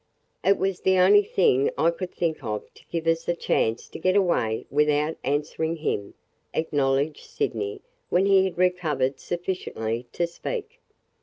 "It was the only thing I could think of to give us a chance to get away without answering him," acknowledged Sydney when he had recovered sufficiently to speak.